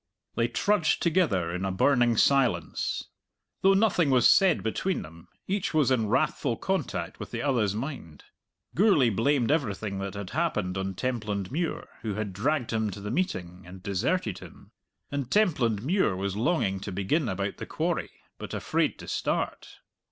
They trudged together in a burning silence. Though nothing was said between them, each was in wrathful contact with the other's mind. Gourlay blamed everything that had happened on Templandmuir, who had dragged him to the meeting and deserted him. And Templandmuir was longing to begin about the quarry, but afraid to start.